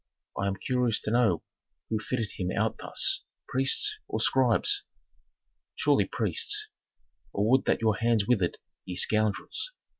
"I am curious to know who fitted him out thus: priests, or scribes?" "Surely priests. Oh, would that your hands withered, ye scoundrels!